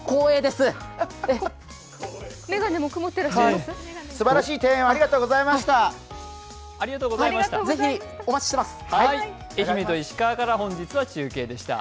すばらしい庭園をありがとうございました。